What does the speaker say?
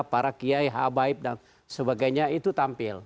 para kiai habaib dan sebagainya itu tampil